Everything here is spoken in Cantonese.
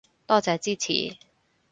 多謝支持